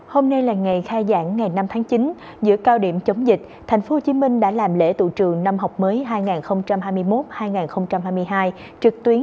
hôm nay là ngày khai giảng ngày năm tháng chín giữa cao điểm chống dịch thành phố hồ chí minh đã làm lễ tụ trường năm học mới hai nghìn hai mươi một hai nghìn hai mươi hai